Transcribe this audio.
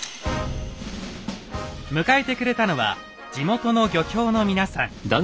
迎えてくれたのは地元の漁協の皆さん。